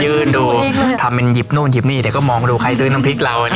ยืนดูทำเป็นหยิบนู่นหยิบนี่แต่ก็มองดูใครซื้อน้ำพริกเรา